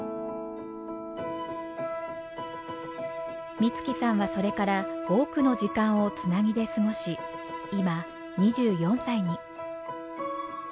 光希さんはそれから多くの時間をつなぎで過ごし今２４歳に。